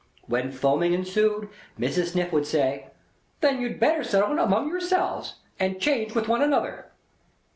When foaming ensued, Mrs. Sniff would say: "Then you'd better settle it among yourselves, and change with one another."